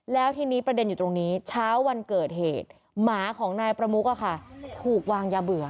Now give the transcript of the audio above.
แล้วทีนี้ประเด็นอยู่ตรงนี้เช้าวันเกิดเหตุหมาของนายประมุกถูกวางยาเบื่อ